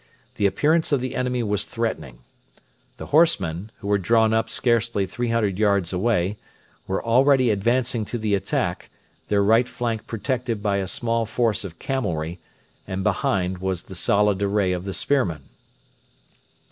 The appearance of the enemy was threatening. The horsemen, who were drawn up scarcely 300 yards away, were already advancing to the attack, their right flank protected by a small force of camelry; and behind was the solid array of the spearmen.